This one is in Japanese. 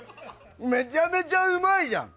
めちゃめちゃうまいじゃん！